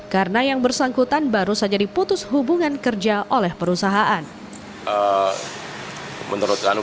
karena yang bersangkutan baru saja diputus hubungan kepadanya